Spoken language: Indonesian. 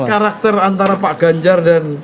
karakter antara pak ganjar dan